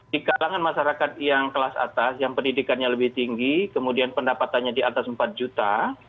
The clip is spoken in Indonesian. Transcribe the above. di kalangan masyarakat yang kelas atas yang pendidikannya lebih tinggi kemudian pendapatannya di atas empat juta